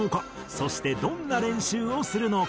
そしてどんな練習をするのか？